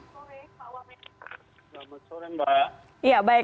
selamat sore mbak